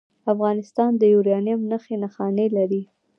افغانستان د یورانیم نښې نښانې لري